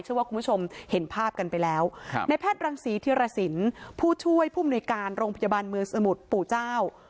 คุณผู้ชมเห็นภาพกันไปแล้วในแพทย์รังศรีธิรสินผู้ช่วยผู้มนุยการโรงพยาบาลเมืองสมุทรปู่เจ้า